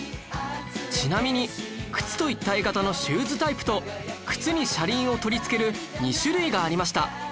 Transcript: ちなみに靴と一体型のシューズタイプと靴に車輪を取り付ける２種類がありました